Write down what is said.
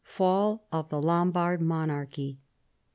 FALL OF THE LOMBARD MONARCHY.